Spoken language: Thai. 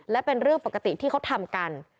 และเป็นเรื่องปกติที่เขาทำกัน